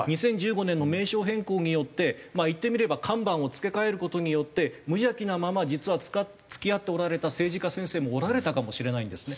２０１５年の名称変更によってまあいってみれば看板を付け替える事によって無邪気なまま実は付き合っておられた政治家先生もおられたかもしれないんですね。